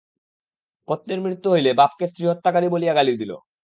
পত্নীর মৃত্যু হইলে বাপকে স্ত্রীহত্যাকারী বলিয়া গালি দিল।